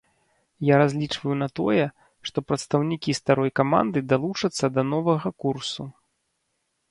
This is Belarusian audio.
Я разлічваю на тое, што прадстаўнікі старой каманды далучацца да новага курсу.